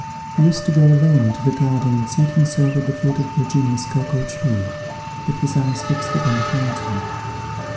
He used to go alone into the garden, and seat himself at the foot of Virginia's cocoa tree, with his eyes fixed upon the fountain.